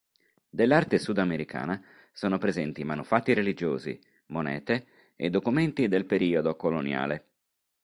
Dell'arte sudamericana sono presenti manufatti religiosi, monete e documenti del periodo coloniale.